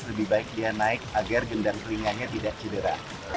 lebih baik dia naik agar gendang telinganya tidak cedera